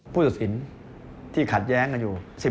ผู้ตัดสินที่ขัดแย้งกันอยู่